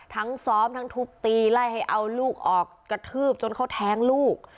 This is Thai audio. ทั้งซ้อมทั้งทุบตีไล่ให้เอาลูกออกกระทืบจนเขาแท้งลูก